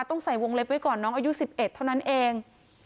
ต้องใส่วงเล็บไว้ก่อนน้องอายุ๑๑เท่านั้นเอง